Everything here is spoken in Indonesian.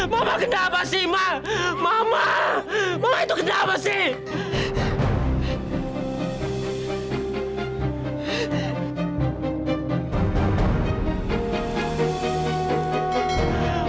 mama kenapa sih ma mama mama itu kenapa sih